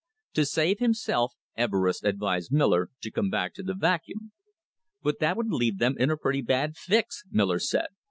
To save himself, Everest advised Miller to come back to the Vacuum. "But that would leave them in a pretty bad fix," Miller said.